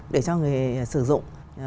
để cho người sử dụng